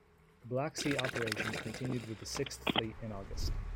Black Sea operations continued with the Sixth Fleet in August.